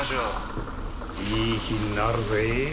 いい火になるぜ。